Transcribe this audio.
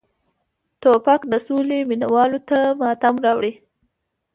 توپک د سولې مینه والو ته ماتم راوړي.